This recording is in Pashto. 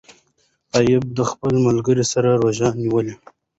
غابي د خپل ملګري سره روژه نیولې.